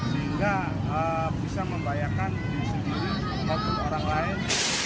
sehingga bisa membahayakan diri sendiri maupun orang lain